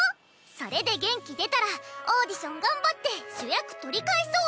それで元気出たらオーディション頑張って主役取り返そう！